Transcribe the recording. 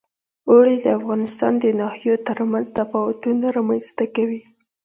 اوړي د افغانستان د ناحیو ترمنځ تفاوتونه رامنځ ته کوي.